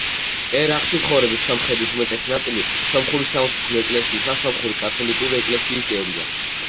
ერაყში მცხოვრები სომხების უმეტესი ნაწილი სომხური სამოციქულო ეკლესიის ან სომხური კათოლიკური ეკლესიის წევრია.